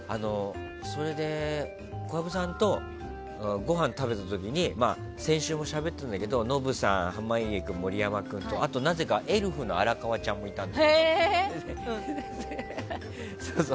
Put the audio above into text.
それで小籔さんとごはんを食べた時に先週もしゃべったんだけどノブさん、濱家君、盛山君とあとなぜかエルフのあらかわちゃんもいたの。